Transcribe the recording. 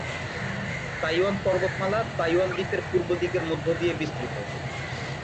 Taiwan পর্বতমালা Taiwan দ্বীপের পূর্ব দিকের মধ্য দিয়ে বিস্তৃত।